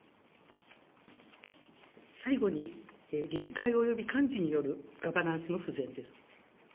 最後に、理事会及び幹事によるガバナンスの不全です。